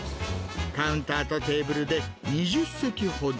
カウンターとテーブルで２０席ほど。